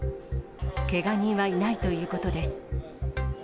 けが人はいないということです。